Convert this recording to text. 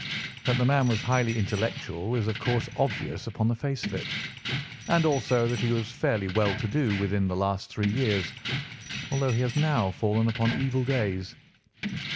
That the man was highly intellectual is of course obvious upon the face of it, and also that he was fairly well to do within the last three years, although he has now fallen upon evil days.